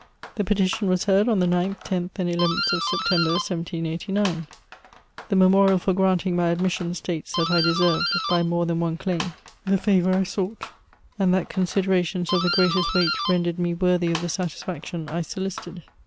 The petition was heard on the 9th, 10th, and 1 1 th of Septem ber, 1 789. The memorial for granting my admission, states that I deserved, bff more than one ckdm, the favour I sought, and that considerations of the greatest weight rendered me worthy of the satisfaction I solicited.